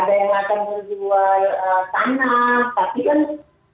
ada yang akan menjual aset ada yang akan menjual tanah